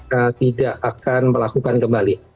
maka orang orang tidak akan melakukan kembali